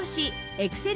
エクセル